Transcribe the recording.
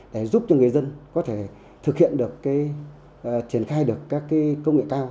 để giúp cho người dân có thể thực hiện được triển khai được các công nghệ cao